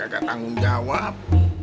gak tanggung jawab